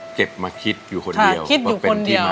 สามีก็ต้องพาเราไปขับรถเล่นดูแลเราเป็นอย่างดีตลอดสี่ปีที่ผ่านมา